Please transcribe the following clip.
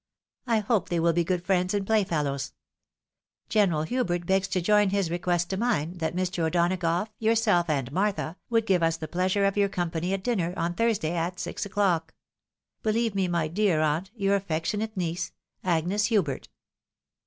I hope they will be good friends and playfellows. " General Hubert begs to join his request to mine, that Mr. O'Donagough, yourself, and Martha, would give us the plea sure of your company at dinner on Thursday at six o'clock. " Believe me, my dear Aunt, " Your afiectionate niece, " Agnes Hubert."